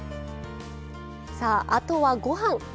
さああとはごはん。